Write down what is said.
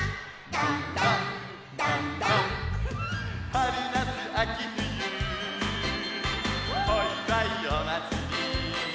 「はるなつあきふゆおいわいおまつり」